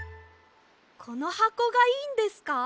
このはこがいいんですか？